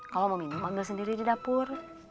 kalau mau minum manggil sendiri di dapur